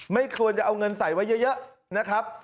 ไม่ควรจะเอาเงินใส่ไว้เยอะนะครับ